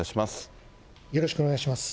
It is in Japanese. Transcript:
よろしくお願いします。